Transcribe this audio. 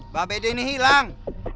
mbak bede ini hilang